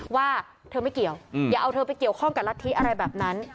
ว่าเธอไม่เกี่ยวอย่าเอาเธอไปเกี่ยวข้องกับรัฐธิอะไรแบบนั้น